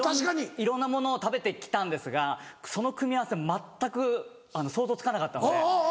いろんなものを食べて来たんですがその組み合わせ全く想像つかなかったので。